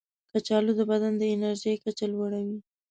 کچالو د بدن د انرژي کچه لوړوي.